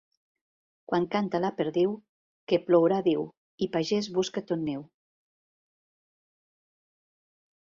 Quan canta la perdiu, que plourà diu, i pagès busca ton niu.